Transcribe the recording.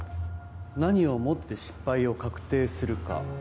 何をもって失敗を確定するか